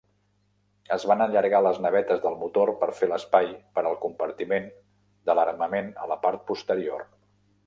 Es van allargar les navetes del motor per fer espai per al compartiment de l'armament a la part posterior.